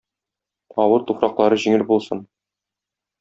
Авыр туфраклары җиңел булсын!